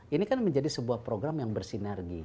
ini kan menjadi sebuah program yang bersinergi